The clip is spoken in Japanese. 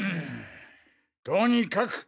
とにかく！